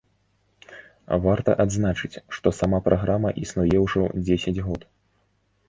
Варта адзначыць, што сама праграма існуе ўжо дзесяць год.